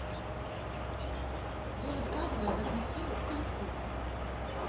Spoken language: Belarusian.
Ён адказвае за атмасферу ў калектыве.